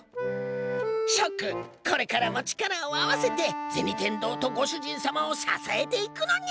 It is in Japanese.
諸君これからも力を合わせて銭天堂とご主人様を支えていくのにゃ！